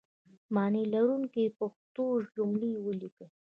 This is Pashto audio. معنی لرونکي پښتو جملې ولیکئ!